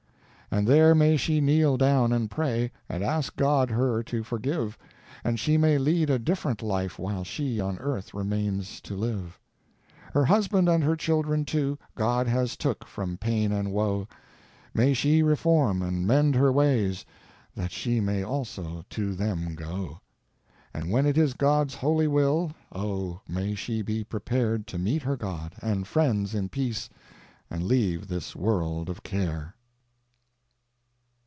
And there may she kneel down and pray, And ask God her to forgive; And she may lead a different life While she on earth remains to live. Her husband and her children too, God has took from pain and woe. May she reform and mend her ways, That she may also to them go. And when it is God's holy will, O, may she be prepared To meet her God and friends in peace, And leave this world of care.